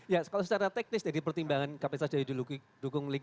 ya kalau secara teknis jadi pertimbangan kapasitas daya dukung lingkungan ya